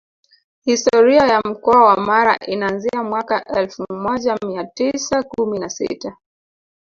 Historia ya Mkoa wa Mara inaanzia mwaka elfu moja mia tisa kumi na sita